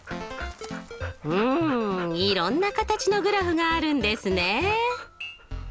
うんいろんな形のグラフがあるんですね。